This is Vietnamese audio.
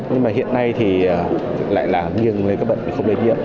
nhưng mà hiện nay thì lại là nghiêng lên các bệnh không lây nhiễm